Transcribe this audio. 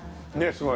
すごい。